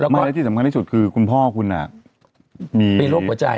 แล้วก็ที่สำคัญที่สุดคือคุณพ่อคุณมีโรคหัวใจ